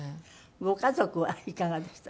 ご家族はいかがでした？